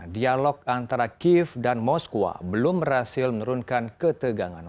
dialog antara kiev dan moskwa belum berhasil menurunkan ketegangan